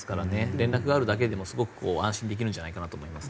連絡があるだけでもすごく安心できるんじゃないかと思います。